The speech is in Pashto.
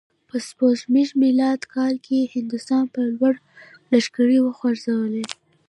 په سپوږمیز میلادي کال یې هندوستان په لور لښکرې وخوزولې.